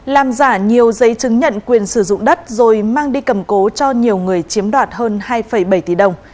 làm giả nhiều giấy chứng nhận quyền sử dụng đất rồi mang đi cầm cố cho nhiều người chiếm đoạt hơn hai bảy tỷ đồng